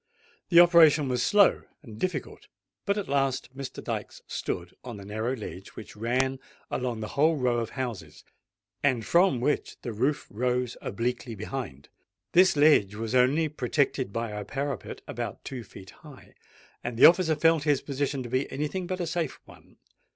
The operation was slow and difficult; but at last Mr. Dykes stood on a narrow ledge which ran along the whole row of houses, and from which the roof rose obliquely behind. This ledge was only protected by a parapet about two feet high; and the officer felt his position to be any thing but a safe one.